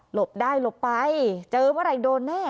หลบได้หลบไปเจอเบาไหร่โดนแน่